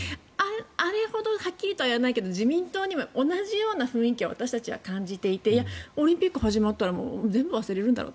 あれほどはっきりとは言わないけど自民党に同じような雰囲気を私たちは感じていてオリンピック始まったら全部忘れるんだろう